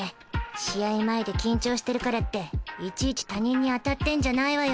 試合前で緊張してるからっていちいち他人に当たってんじゃないわよ。